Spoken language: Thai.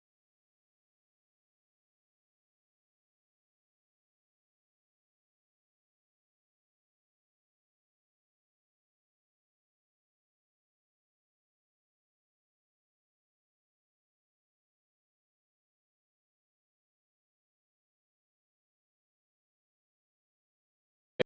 โปรดติดตามต่อไป